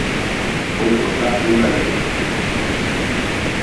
Vou contar unha anécdota.